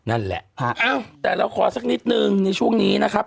อ้าวแต่เราขอสักนิดนึงในช่วงนี้นะครับ